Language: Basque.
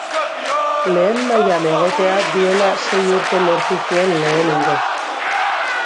Lehen mailan egotea duela sei urte lortu zuen lehenengoz.